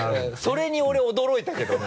それに俺驚いたけどね。